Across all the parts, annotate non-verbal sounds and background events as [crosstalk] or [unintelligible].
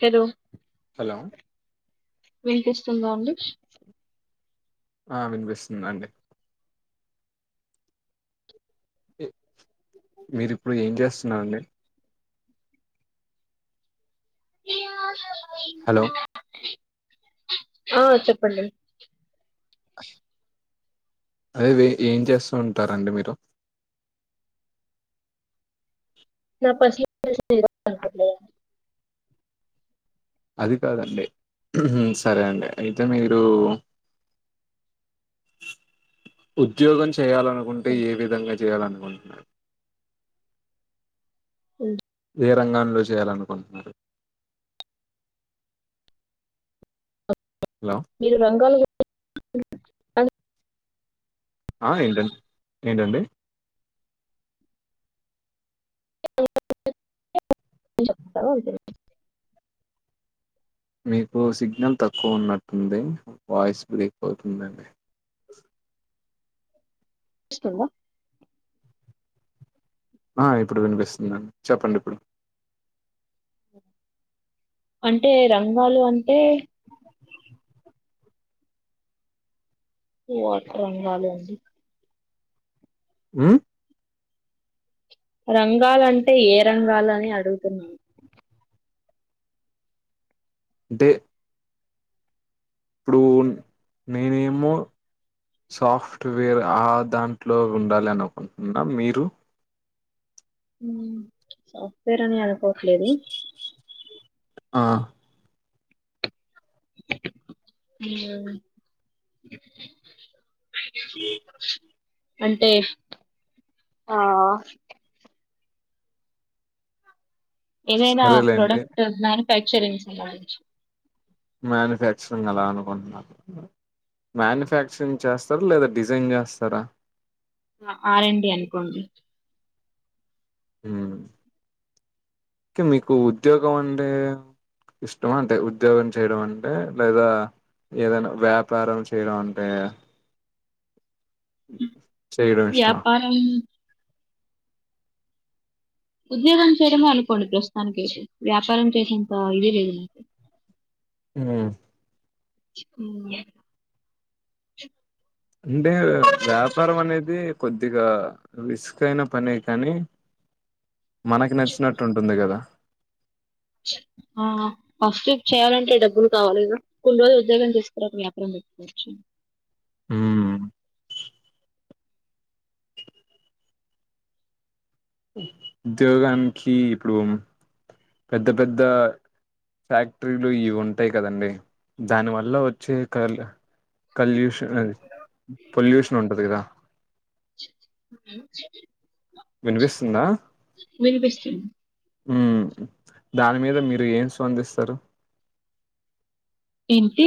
Hello hello. వినిపిస్తుందా అండి. ఆ వినిపిస్తుందండి. మీరు ఇప్పుడు ఏం చేస్తున్నారండి. జియా ధల. హలో. ఆ చెప్పండి. అదే ఏ ఏం చేస్తూ ఉంటారండి మీరు. నా పర్సనల్ డీటేయిల్స్ చెప్పాలి అనుకొవట్ లేదండి. అది కాదండి సరే అండి అయితే మీరు ఉద్యోగం చే. చేయాలనుకుంటే ఏ విధంగా. చేయాలనుకుంటున్నారు. ఏ రంగం లో చేయాలనుకుంటున్నారు. హలో మీరు రంగాల. ఎ అను ఆ ఏంటన్ ఏంటండి? చెప్తా లే మీకు సిగ్నల్ తక్కువ ఉన్నట్టుంది, వాయిస్ బ్రేక్ అవుతుందండి. పిస్తుందా ఆ ఇప్పుడు వినిపిస్తుందండి. చెప్పండి ఇప్పుడు. అంటే రంగాలు అంటే వాట్ రంగాలు అండి? మ్ రంగాలు అంటే ఏ రంగాలు అని అడుగుతున్నా దే ఇప్పుడు నేనేమో సాఫ్ట్వేర్ ఆ దాంట్లో ఉండాలి అనుకుంటున్న. మీరు? మ్ సాఫ్ట్వేర్ అని అన్ కోట్లేదు ఆ మఉమ్ అంటే ఆ ఏదైనా సరేలేండి ప్రొడక్ట్ నాని ఫ్యాక్చరింగ్ సంబంధించి మ్యానుఫ్యాక్చరింగ్ అలా అనుకుంటునరు. మ్యానుఫ్యాక్చరింగ్ చేస్తర, లేదా డిజైన్ చేస్తరా? ఆ ఆరండి అనుకోండి హు కే మీకు ఉద్యోగం అంటే ఇష్టమా, అంటే ఉద్యోగం చేయడం అంటే, లేదా ఏదైనా వ్యాపారం చేయడం అంటే చేయడం ఇష్టమా వ్యాపారం ఉద్యోగం చేయడమే అనుకోండి ప్రస్తుతానికైతే, వ్యాపారం చేసేంత ఇది లేదు నాకి. ఊ ఉమ్ అంటే వ్యాపారం అనేది కొద్దిగా రిస్క్ అయిన పనే కానీ మనకి నచ్చినట్టుంటుంది కదా ఆ ఫస్ట్ చేయాలంటే డబ్బులు కావాలిగా, కొన్ని రోజులు ఉద్యోగం చేసుకరా తర వ్యాపారం పెట్టుకోవచ్చు. ఉమ్ ఉద్యోగానికి ఇప్పుడు పెద్ద పెద్ద ఫ్యాక్టరీలు ఇవ్వుంటయి కదండి, దానివల్ల వచ్చే కర్ల్ కాల్యూషన్ అది పొల్యూషన్ ఉంటది కదా వినిపిస్తుందా మీరు బెస్ట్ ఎన హు దాని మీద మీరు ఏం స్వందిస్తరు? ఏంటి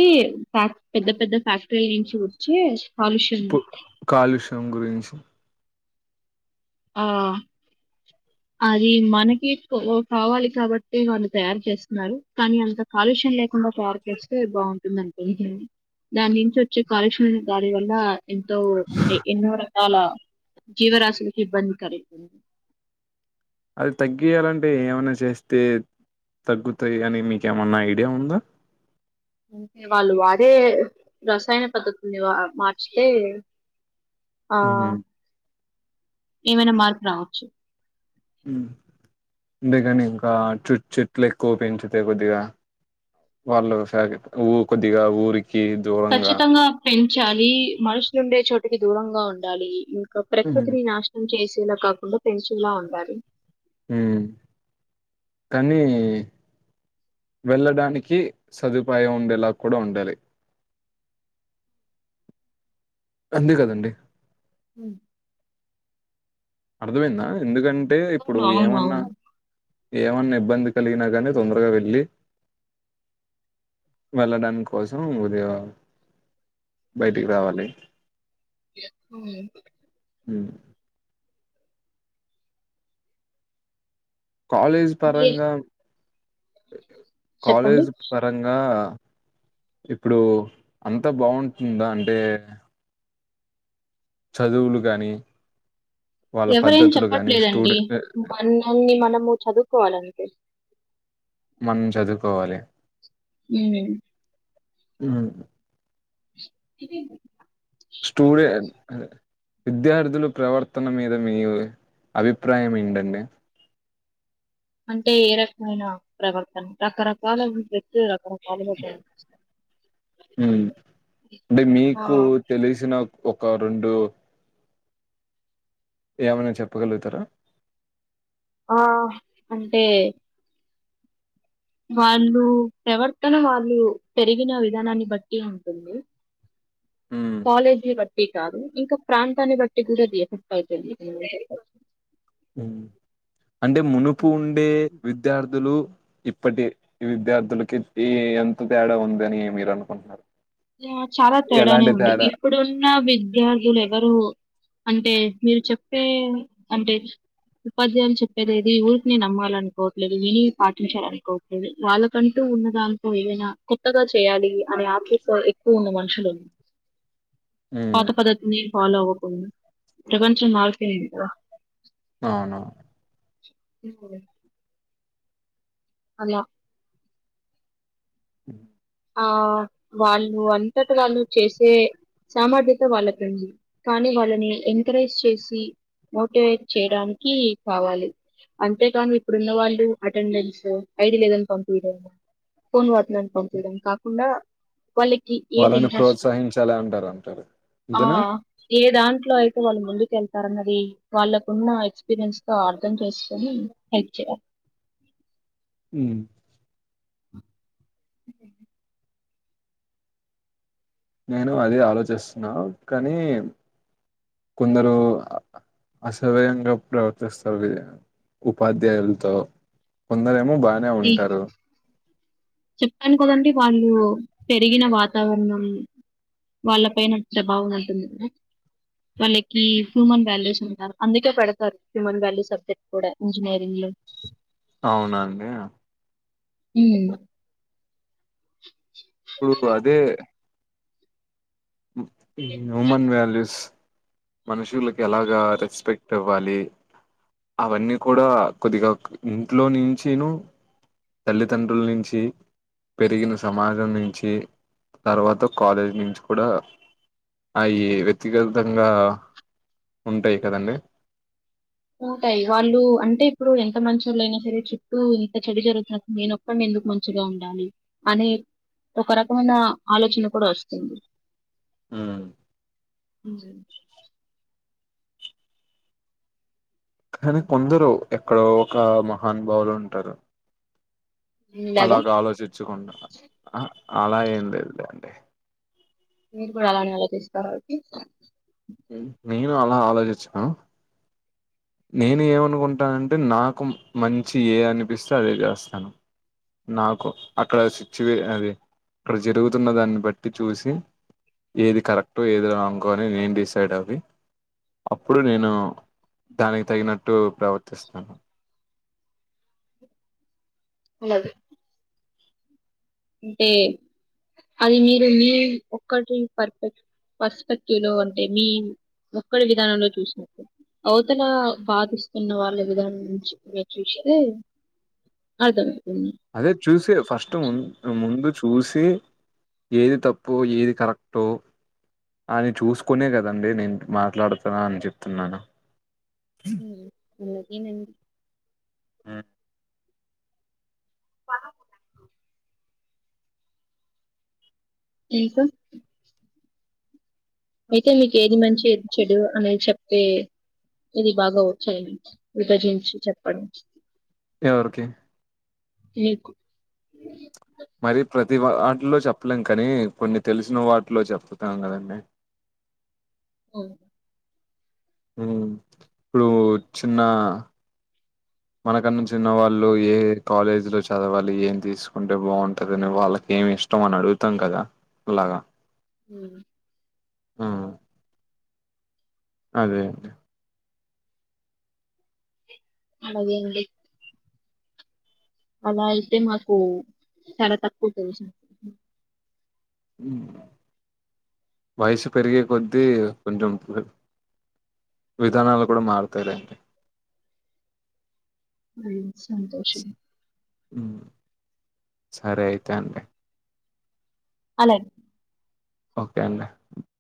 పాక్, పెద్ద పెద్ద ఫ్యాక్టరీల్ని నుంచి వచ్చే కాలుష్యం పు కాలుష్యం గురించి ఆ అది మనకి ఎకు వ కావాలి కాబట్టే వాళ్లు తయారు చేస్తున్నారు. కానీ అంత కాలుష్యం లేకుండ తయారు చేస్తే బాగుంటుంది అనుకుంటున్నను. దాని నుంచి వచ్చే కాలుష్యం దాని వల్ల ఎంతో అంటే ఎన్నో రకాల జీవ రాసులు ఇబ్బంది కలిగున్ అది తగ్గియాలంటే ఏమైనా చేస్తే తగ్గుతాయి అని మీకు ఏమైనా ఐడియా ఉందా అంటే వాళ్ళు వాడే రసాయన పద్ధతుల్ని వా మార్చితే ఆ ఉమ్ ఏమైనా మార్పు రావచ్చు హు అంతేగాని ఇంకా చెట్ చెట్లు ఎక్కువ పెంచుతే కొద్దిగా వాళ్ళు ఫయాగెట్ ఊ కొద్దిగా ఊరి కచ్చితంగా పెంచాలి మనుషులు ఉండే చోట్ టికీ దూరంగా ఉండాలి ఇం ప్ర ఉమ్ ప్రకృతిని నాశనం చేసి ఇలా కాకుండా పెంచిలా ఉండాలి హు కానీ వెళ్ళడానికి సదుపాయం ఉండేలా కూడా ఉండాలి అంతే కదండి ఉ అర్థమైందా ఎందుకన్ టే ఇప్పుడు అవును. ఏమన్నా అవునవును. ఏవన్నా ఇబ్బంది కలిగినా గాని తొందరగా వెళ్ళి వెళ్ళడం కోసం ఉదయం బయటికి రావాలే అవును ఉ కాలేజ్ ఏ పరంగా చెప్పండి కాలేజ్ పరంగా ఇప్పుడు అంత బాగుంటుందా అంటే చదువులు గాని వాళ్ళ ఎవరేం పద్ధతులు గాని చెప్పట్లేదండి స్టూడె ఎ మనన్ని మనము చదువుకోవాలంటే మనం చదువుకోవాలి ఉమ్. ఉ ఇదేంది స్టూడే అదే విద్యార్థులు ప్రవర్తన మీద మీ అభిప్రాయం ఏంటండి అంటే ఏ రకమైన ప్రవర్తన రకరకాల ఉ రకరక అంటే ఆ మీకు తెలిసిన ఒక రెండు ఏమైనా చెప్పగలుగుతారా ఆ అంటే వాళ్ళు ప్రవర్తన వాళ్ళు పెరిగిన విధానాన్ని బట్టి ఉంటుంది ఉమ్ కాలేజి బట్ కే కాదు ఇంకా ప్రాంతాన్ని బట్టి కూడా అది ఎఫెక్ట్ అయితది హ్మ్ అంటే మునుపు ఉండే విద్యార్థులు ఇప్పటి విద్యార్థులకి ఈ ఎంత తేడా ఉందని మీరు అనుకుంటున్నారు ఆ చాలా తేడానే ఎలాంటి ఉంది తేడా ఇప్పుడున్న విద్యార్థులు ఎవరు అంటే మీరు చెప్పే అంటే ఉపాధ్యాయులు చెప్పేది ఏది ఊరికినె నమ్మాలనుకోవట్లేదు విని పాటించాలనుకోవట్లేదు వాళ్ళకంటూ ఉన్న దాంతో ఏవైనా కొత్తగా చేయాలి అనే ఆత్రు ఎక్కువ ఉన్న మనుషలం ఉమ్ పాత పద్ధతిని ఫాలో అవకుండ ప్రపంచం మారిపోయింది గా అవునవును [inaudible] అలా హ్మ్ ఆ వాళ్ళు అంతటి వాళ్ళు చేసే సామర్థ్యత వాళ్ళకుంది కానీ వాళ్ళని ఎంకరేజ్ చేసి మోటివేట్ చేయడానికి కావాలి అంతేకాని ఇప్పుడున్న వాళ్ళు అటెండెన్స్ ఐడి లేదని పంపీడం ఫోన్ వాడుతున్నారని పంపి చేడం కాకుండా వాళ్ళకి ఏది వాళ్ళని ఇంట్రెస్ట్ ప్రోత్సహించాలి అంటారు అంటారు ఆ అంతేనా ఏ దాంట్లో అయి వాళ్ళు ముందుకెళ్తారన్నది వాళ్ళకున్న ఎక్స్పీరియన్స్ తో అర్థం చేసుకొని హెల్ప్ చేయాలి మ్మ్ [inaudible] నేను అది ఆలోచిస్తున్నా కానీ కొందరు అసభ్యంగా ప్రవర్తిస్తారు ఉపాధ్యాయులతో కొందరు ఏమ్ మ బానే అది ఉంటారు చెప్పాను కదండి వాళ్ళు పెరిగిన వాతావరణం వాళ్ళ పైన ప్రభావం ఉంటుంది వాళ్ళకి హ్యూమన్ వాల్యూస్ ఉంటారు అందుకే పెడతారు హ్యూమన్ వాల్యూ సబ్జెక్ట్ కూడా ఇంజనీరింగ్ లో అవునా అండి మ్ పుడు అదే హ్యుమన్ వాల్యూస్ మనుషులకి ఎలాగా రెస్పెక్ట్ ఇవ్వాలి అవన్నీ కూడా కొద్దిగా ఇంట్లో నుంచి ను తల్లితండ్రుల్ నుంచి పెరిగిన సమాజం నుంచి తర్వాత కాలేజీ నుంచి కూడా అయి వ్యక్తిగతంగా ఉంటాయి కదండి ఉంటయ్ వాళ్ళు అంటే ఇప్పుడు ఎంత మంచోలైనా సరే చుట్టూ ఇంత చెడు జరుగుతున్నపుడు నేనొక్కడిని ఎందుకు మంచిగా ఉండాలి అనే ఒక రకమైన ఆలోచన కూడా వస్తుంది హ్మ్ [unintelligible] కానీ కొందరు ఎక్కడో ఒక మహానుభావులు ఉంటారు ఇలాగా అలాగా ఆలోచిచకుండా అలా ఏం లేదులేండి మీరు కూడా అలానే ఆలోచిస్తరా నేను అలా ఆలోచిచను నేను ఏమనుకుంటా అంటే నాకు మంచి ఏ అనిపిస్తే అదే చేస్తాను నాకు అక్కడ సిచ్యువే అది అక్కడ జరుగుతున్న దాన్ని బట్టి చూసి ఏది కరెక్టో ఏది రాంగో అని నేను డిసైడ్ అయ్యి అప్పుడు నేను దానికి తగినట్టు ప్రవర్తిస్తాను [unintelligible] అంటే అది మీరు మీ ఒక్కటి పర్పెక్ పర్స్పెక్టివ్ లో అంటే మీ ఒక్కడి విధానంలో చూసినప్పుడు అవతల బాధిస్తున్న వాళ్ళ విధానం నుంచి మీరు చూస్తే అర్థం అదే చూసే ఫస్ట్ ముందు చూసి ఏది తప్పు ఏది కరెక్టో అని చూసుకునే కదండి నేను మాట్లాడతా అని చెప్తున్నాను హమ్ వీళ్ళకి నేను ఆమ్ బావా ఇంకా అయితే మీకు ఏది మంచి చెడు అనేది చెప్తే ఇది బాగా వచ్చాయండి విభజించి చెప్పడం ఎవరికి మీకు మరి ప్రతి వాటిలో చెప్పలేం కానీ కొన్ని తెలిసిన వాటిలో చెప్తాం కదండీ ఓ ఉమ్ ఇప్పుడు చిన్న మనకన్న చిన్న వాళ్ళు ఏ కాలేజీలో చదవాలి ఏం తీసుకుంటే బాగుంటదని వాళ్ళకి ఏమి ఇష్టం అని అడుగుతాం కదా అలాగా హమ్ ఆమ్ అదే అండి అలాగే అండి అలా అయితే మాకు చాలా తక్కువ తెలుసు ఉమ్ వయసు పెరిగే కొద్దీ కొంచెం విధానాలు కూడా మారుతాయిలేండి అమ్ సంతోషం ఉమ్ సరే అయితే అండి అలాగే ఓకే అండి